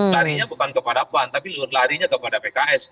larinya bukan kepada pan tapi larinya kepada pks